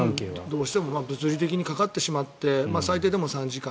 どうしても物理的にかかってしまって最低でも３時間。